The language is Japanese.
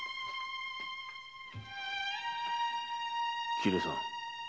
桐江さん。